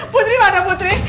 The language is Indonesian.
putri rara putri